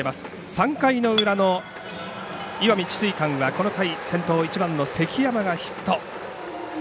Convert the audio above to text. ３回の裏の石見智翠館はこの回、先頭１番の関山がヒット。